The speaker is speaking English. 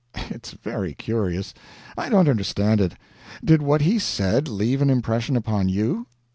It's very curious. I don't understand it. Did what he said leave an impression upon you?"